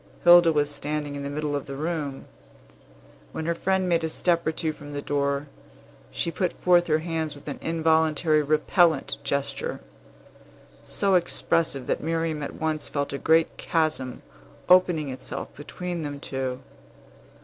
Hilda was standing in the middle of the room. When her friend made a step or two from the door, she put forth her hands with an involuntary repellent gesture, so expressive that Miriam at once felt a great chasm opening itself between them two.